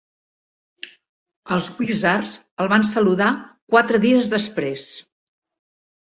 Els Wizards el van saludar quatre dies després.